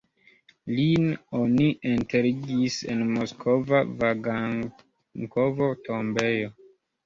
Lin oni enterigis en moskva Vagankovo-tombejo.